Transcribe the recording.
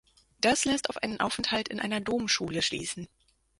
Das lässt auf einen Aufenthalt in einer Domschule schließen.